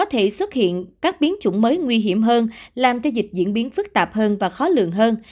thể xuất hiện các biến chủng mới nguy hiểm hơn làm cho dịch diễn biến phức tạp hơn và khó lường hơn